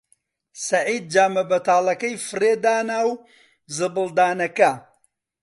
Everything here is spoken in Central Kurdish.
سەعید جامە بەتاڵەکەی فڕێ دا ناو زبڵدانەکە.